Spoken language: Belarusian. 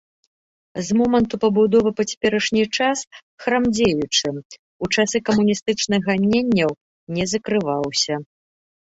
З моманту пабудовы па цяперашні час храм дзеючы, у часы камуністычных ганенняў не закрываўся.